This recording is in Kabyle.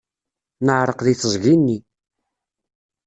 Neɛreq deg teẓgi-nni.